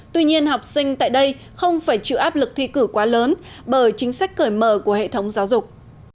tuy nhiên học sinh tại đây không phải chịu áp lực thi cử quá lớn bởi chính sách cởi mở của hệ thống giáo dục